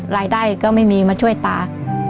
รายได้ก็ไม่มีมาช่วยตา